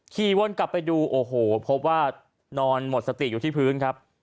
วนกลับไปดูโอ้โหพบว่านอนหมดสติอยู่ที่พื้นครับ